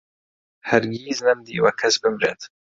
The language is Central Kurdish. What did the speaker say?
هەرگیز نەمدیوە کەس بمرێت